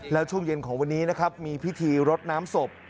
แล้วช่วงเย็นของวันนี้นะครับมีพิธีรดน้ำศพ